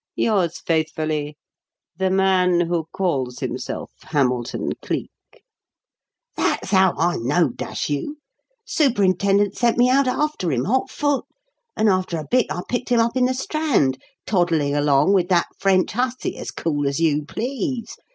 Yours faithfully, "'The Man Who Calls Himself Hamilton Cleek. "That's how I know, dash you! Superintendent sent me out after him, hot foot; and after a bit I picked him up in the Strand, toddling along with that French hussy as cool as you please.